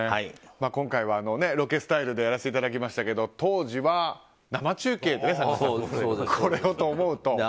今回はロケスタイルでやらせていただきましたけど当時は生中継でこれをと思うと。